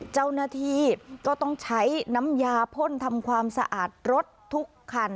เจ้าหน้าที่ก็ต้องใช้น้ำยาพ่นทำความสะอาดรถทุกคัน